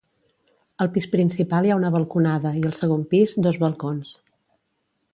Al pis principal hi ha una balconada i al segon pis, dos balcons.